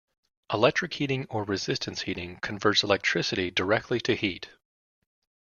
Electric heating or resistance heating converts electricity directly to heat.